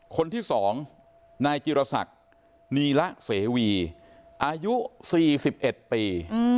คนที่๒นายจิรษักนีละเสวีอายุ๔๑ปี